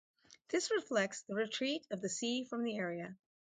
This reflects the retreat of the sea from the area.